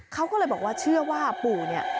เขาก็เลยบอกว่าเชื่อว่าปู่เนี่ย